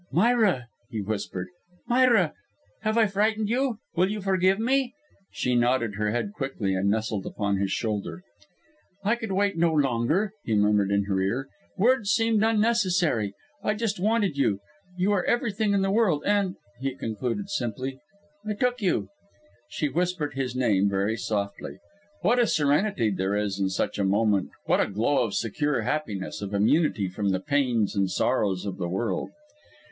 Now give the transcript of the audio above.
"Myra," he whispered, "Myra! have I frightened you? Will you forgive me? " She nodded her head quickly and nestled upon his shoulder. "I could wait no longer," he murmured in her ear. "Words seemed unnecessary; I just wanted you; you are everything in the world; and," he concluded simply "I took you." She whispered his name, very softly. What a serenity there is in such a moment, what a glow of secure happiness, of immunity from the pains and sorrows of the world!